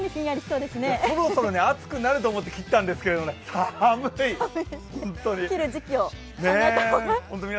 そろそろ暑くなると思って切ったんですけど寒い、本当に。